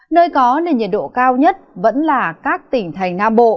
nơi có nền nhiệt độ cao nhất vẫn là các tỉnh thành nam bộ